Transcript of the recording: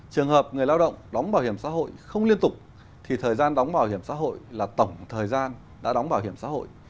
trường hợp người lao động đóng bảo hiểm xã hội không liên tục thì thời gian đóng bảo hiểm xã hội là tổng thời gian đã đóng bảo hiểm xã hội